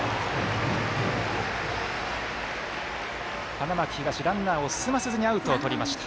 花巻東、ランナーを進めさせずにアウトをとりました。